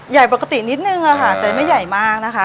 ใหญ่ปกตินิดนึงค่ะแต่ไม่ใหญ่มากนะคะ